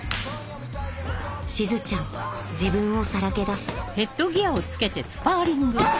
しずちゃん自分を曝け出すんっ！